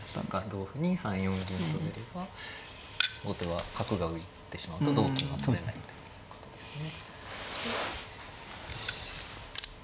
同歩に３四銀と出れば後手は角が浮いてしまうと同金は取れないということですね。